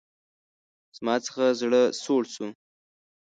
زما څخه زړه سوړ شو.